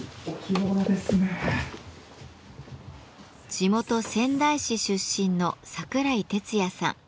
地元仙台市出身の櫻井鉄矢さん。